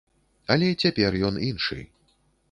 Але цяпер ён іншы.